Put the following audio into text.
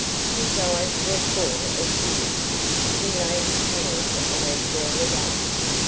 His eyes were full of tears. He laid his hand on her shawl again.